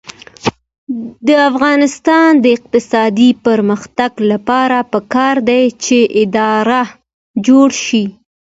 د افغانستان د اقتصادي پرمختګ لپاره پکار ده چې اداره جوړه شي.